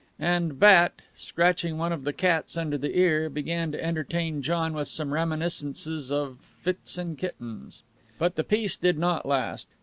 And Bat, scratching one of the cats under the ear, began to entertain John with some reminiscences of fits and kittens. But the peace did not last.